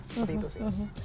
seperti itu sih